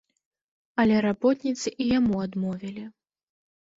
Але работніцы і яму адмовілі.